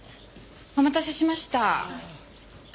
お待たせしました。